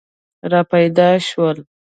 را پیدا شول.